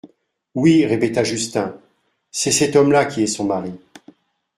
Oui, répéta Justin, c'est cet homme-là qui est son mari.